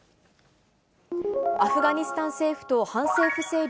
アフガニスタン政府と反政府勢力